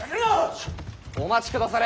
お待ちくだされ！